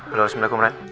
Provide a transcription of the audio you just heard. halo assalamualaikum ren